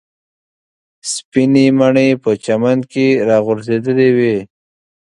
سپینې مڼې په چمن کې راغورځېدلې وې.